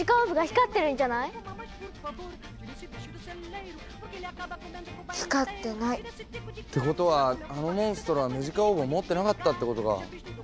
光ってない。ってことはあのモンストロはムジカオーブを持ってなかったってことか。